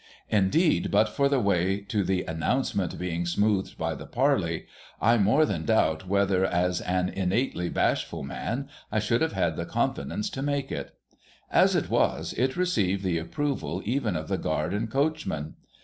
Indeed, but for the way to the announce ment being smoothed by the parley, I more than doubt whether, as an innately bashful man, I should have had the confidence to make it. As it was, it received the approval even of the guard and coachman.